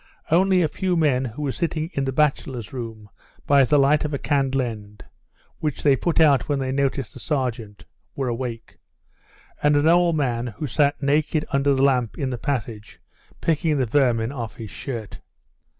Only a few men who were sitting in the bachelors' room by the light of a candle end, which they put out when they noticed the sergeant, were awake, and an old man who sat naked under the lamp in the passage picking the vermin off his shirt.